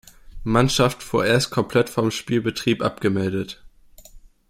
Mannschaft vorerst komplett vom Spielbetrieb abgemeldet.